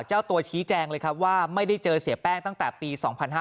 เจ้าตัวชี้แจงเลยครับว่าไม่ได้เจอเสียแป้งตั้งแต่ปี๒๕๕๙